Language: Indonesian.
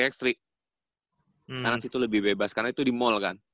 karena sih itu lebih bebas karena itu di mall kan